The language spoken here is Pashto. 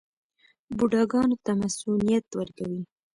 بوډاګانو ته مصوونیت ورکوي.